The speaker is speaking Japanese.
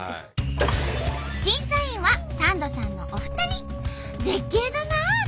審査員はサンドさんのお二人。